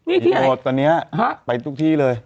มีที่หมดตอนนี้ไปทุกที่เลย